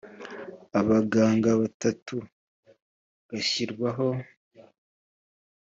abaganga batatu gashyirwaho